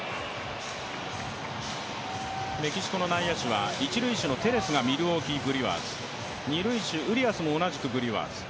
メキシコの内野手が一塁手のテレスがミルウォーキー・ブルワーズで二塁手、ウリアスも同じくブルワーズ。